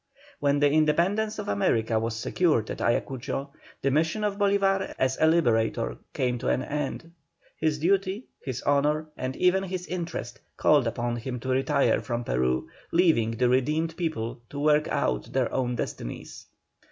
When the independence of America was secured at Ayacucho, the mission of Bolívar as a Liberator came to an end. His duty, his honour, and even his interest, called upon him to retire from Peru, leaving the redeemed peoples to work out their own destinies.